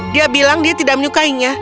dia bilang dia tidak menyukainya